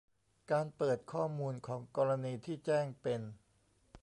การเปิดข้อมูลของกรณีที่แจ้งเป็น